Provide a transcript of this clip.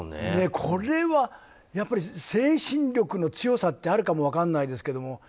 これは、精神力の強さってあるかも分からないですけど